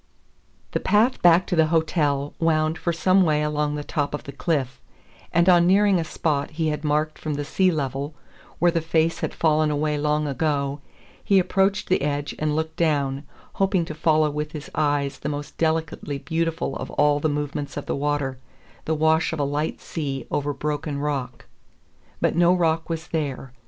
The path back to the hotel wound for some way along the top of the cliff, and on nearing a spot he had marked from the sea level, where the face had fallen away long ago, he approached the edge and looked down, hoping to follow with his eyes the most delicately beautiful of all the movements of water, the wash of a light sea over broken rock. But no rock was there.